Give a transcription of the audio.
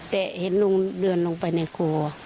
แต่เห็นลุงเดินลงไปในครัว